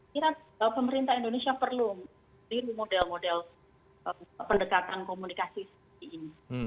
kira pemerintah indonesia perlu model model pendekatan komunikasi seperti ini